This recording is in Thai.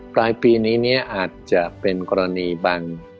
ปลายปีนี้เนี่ยอาจจะเป็นกรณีบาง